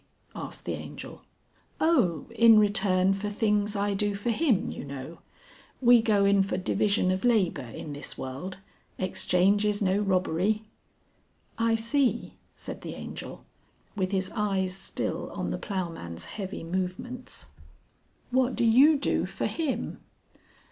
asked the Angel. "Oh! in return for things I do for him, you know. We go in for division of labour in this world. Exchange is no robbery." "I see," said the Angel, with his eyes still on the ploughman's heavy movements. "What do you do for him?"